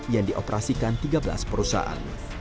yang dioperasikan tiga belas perusahaan